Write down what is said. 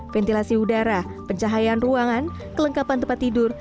ventilasi udara pencahayaan ruangan kelengkapan tempat tidur